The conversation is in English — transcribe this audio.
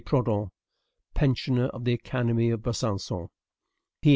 PROUDHON, Pensioner of the Academy of Besancon. P.